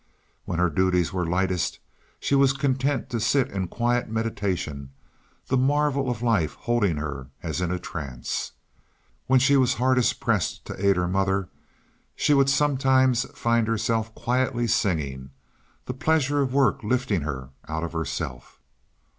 When her duties were lightest she was content to sit in quiet meditation, the marvel of life holding her as in a trance. When she was hardest pressed to aid her mother, she would sometimes find herself quietly singing, the pleasure of work lifting her out of herself.